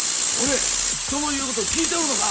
人の言うことを聞いておるのか！